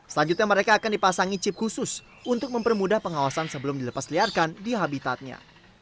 selanjutnya mereka akan dipasangi chip khusus untuk mempermudah pengawasan sebelum dilepas liarkan di habitatnya